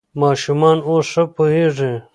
ماشومان اوس ښه پوهېږي.